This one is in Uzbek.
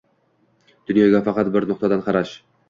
Dunyoga faqat bir nuqtadan qarash